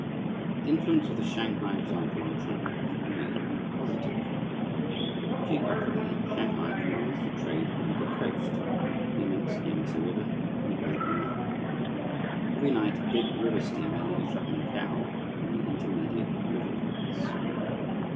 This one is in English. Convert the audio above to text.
The influence of the Shanghai example on China is real and positive. Geographically, Shanghai commands the trade of the middle coast, the immense Yangtse Valley, and the Grand Canal. Every night a big river steamer leaves for Hankow and the intermediate river ports.